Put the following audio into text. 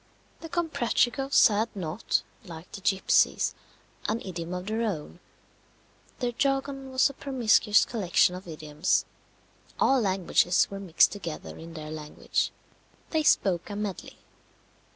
The Comprachicos had not, like the gipsies, an idiom of their own; their jargon was a promiscuous collection of idioms: all languages were mixed together in their language; they spoke a medley.